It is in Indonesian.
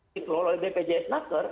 dikelola bpjs naker